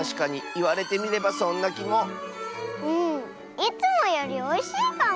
いつもよりおいしいかも！